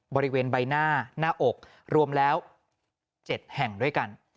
บริเวณใบหน้าหน้าอกรวมแล้ว๗แห่งด้วยกัน